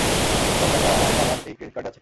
সব টাকা আমার বাবার এই ক্রেডিট কার্ডে আছে।